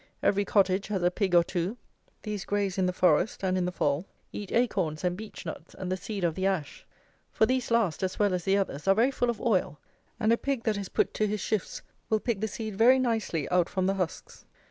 Every cottage has a pig or two. These graze in the forest, and, in the fall, eat acorns and beech nuts and the seed of the ash; for these last, as well as the others, are very full of oil, and a pig that is put to his shifts will pick the seed very nicely out from the husks.